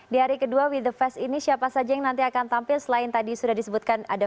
di hari kedua with the fest ini siapa saja yang nanti akan tampil selain tadi sudah disebutkan ada